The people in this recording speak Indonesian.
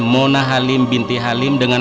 mona halim binti halim dengan